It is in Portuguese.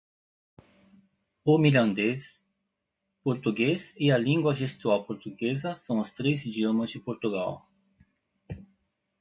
O Mirandês, Português e a Lingua Gestual Portuguesa são os três idiomas de Portugal.